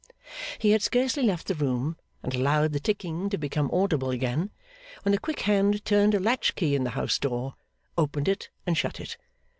He had scarcely left the room, and allowed the ticking to become audible again, when a quick hand turned a latchkey in the house door, opened it, and shut it.